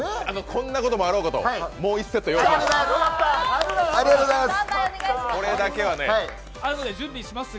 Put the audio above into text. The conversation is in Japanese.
こんなこともあろうかともう１セット用意しています。